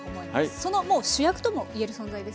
そのもう主役とも言える存在ですね。